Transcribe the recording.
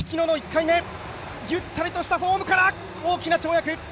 ゆったりとしたフォームから大きな跳躍。